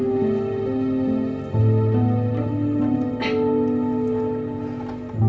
matahari habis berubah